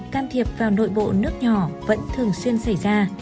can thiệp vào nội bộ nước nhỏ vẫn thường xuyên xảy ra